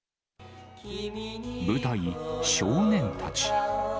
舞台、少年たち。